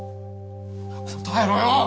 答えろよ！